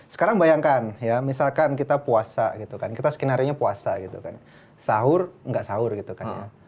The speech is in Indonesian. sekarang bayangkan ya misalkan kita puasa gitu kan kita skenario nya puasa gitu kan sahur nggak sahur gitu kan ya